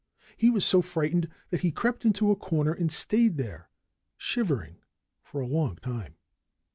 He was so frightened that he crept into a corner and stayed there, shivering, for a long time.